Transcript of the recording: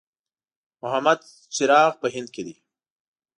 محمد چراغ په هند کې دی.